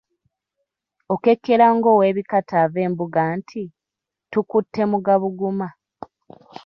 Okekkera ng’oweebikaata ava embuga nti, tukutte mu gabuguma.